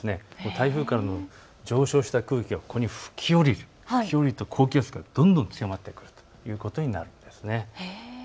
台風からの上昇した空気がここに吹き降りる、吹き降りると高気圧がどんどん強まってくるということになるんです。